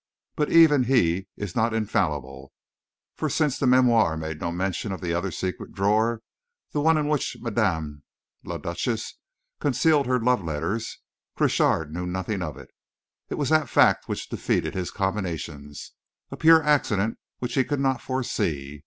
But even he is not infallible; for, since the memoir made no mention of the other secret drawer the one in which Madame la Duchesse concealed her love letters Crochard knew nothing of it. It was that fact which defeated his combinations a pure accident which he could not foresee.